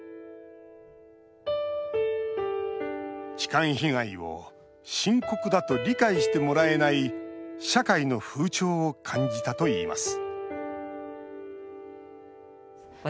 痴漢被害を深刻だと理解してもらえない社会の風潮を感じたといいます